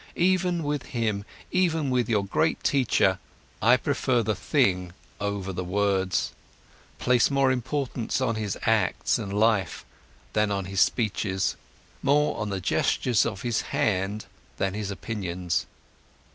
Even with him, even with your great teacher, I prefer the thing over the words, place more importance on his acts and life than on his speeches, more on the gestures of his hand than his opinions.